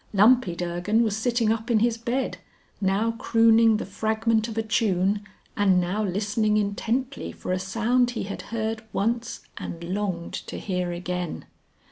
Lumpy Durgan was sitting up in his bed, now crooning the fragment of a tune and now listening intently for a sound he had heard once and longed to hear again.